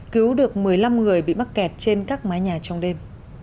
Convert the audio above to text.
cứu được một mươi năm người bị mắc kẹt trên các mái nhà trong đêm